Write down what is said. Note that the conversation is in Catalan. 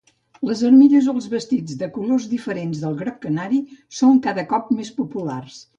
Les armilles o els vestits de colors diferents del groc canari són cada cop més populars.